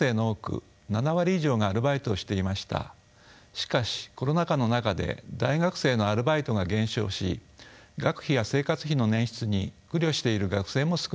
しかしコロナ禍の中で大学生のアルバイトが減少し学費や生活費の捻出に苦慮している学生も少なくありません。